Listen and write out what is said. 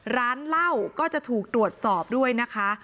ร้านเหล้าก็จะถูกตรวจสอบด้วยนะคะ